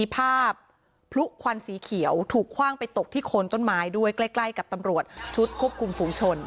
ภาพพลุควันสีเขียวถูกคว่างไปตกที่โคนต้นไม้ด้วยใกล้กับตำรวจชุดควบคุมฝุงชน